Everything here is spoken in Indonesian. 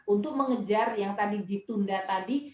untuk mengejar yang tadi ditunda tadi